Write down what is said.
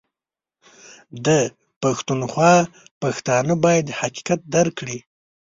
ده پښتونخوا پښتانه بايد حقيقت درک کړي